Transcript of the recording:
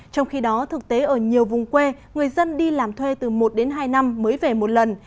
trong khi đó thực tế ở nhiều vùng quê người dân đi làm thuê từ một đến hai năm mới về một lần